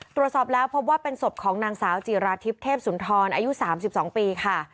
ตรวจสอบแล้วพบว่าเป็นศพของนางสาวจิราทิพย์เทพสุนทรอายุ๓๒ปีค่ะ